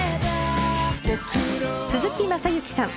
鈴木雅之さん